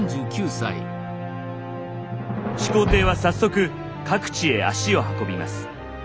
始皇帝は早速各地へ足を運びます。